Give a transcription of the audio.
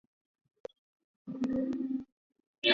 最后与定陵侯淳于长关系亲密而免官。